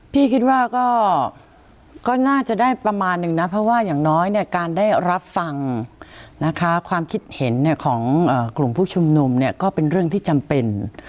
พี่คิดว่าก็น่าจะได้ประมาณนึงนะเพราะว่าอย่างน้อยเนี่ยการได้รับฟังนะคะความคิดเห็นของกลุ่มผู้ชุมนุมเนี่ยก็เป็นเรื่องที่จำเป็น